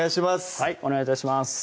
はいお願い致します